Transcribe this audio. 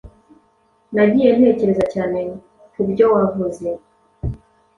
Nagiye ntekereza cyane kubyo wavuze.